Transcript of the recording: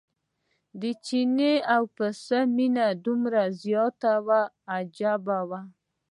د چیني او پسه مینه دومره زیاته وه عجیبه وه.